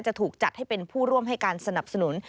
จะถูกจัดให้เป็นผู้ร่วมให้การสนับสนุน